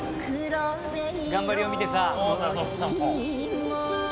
頑張りを見てさ。